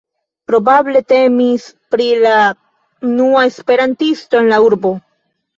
Probable temis pri la unua esperantisto en la urbo.